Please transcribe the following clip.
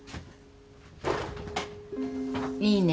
いいね。